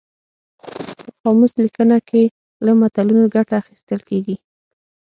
په قاموس لیکنه کې له متلونو ګټه اخیستل کیږي